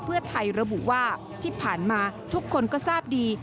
เพื่อไทยระบุว่าที่ผ่านมาทุกคนก็ทราบดี